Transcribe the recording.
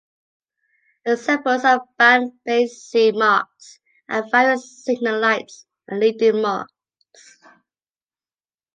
Examples of land-based sea marks are various signal lights and leading marks.